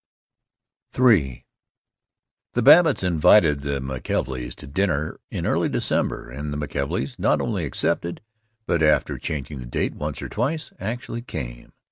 III The Babbitts invited the McKelveys to dinner, in early December, and the McKelveys not only accepted but, after changing the date once or twice, actually came.